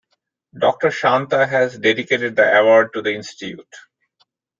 Doctor Shanta has dedicated the award to the institute.